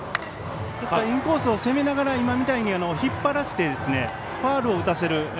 インコースを攻めながら引っ張らせてファウルを打たせる。